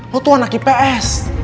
lo tuh anak ips